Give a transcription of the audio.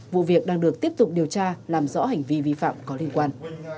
vụ việc đang được tiếp tục điều tra làm rõ hành vi vi phạm có liên quan